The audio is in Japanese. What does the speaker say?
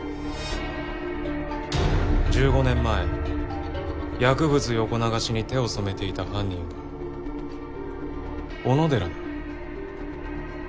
１５年前薬物横流しに手を染めていた犯人は小野寺だ。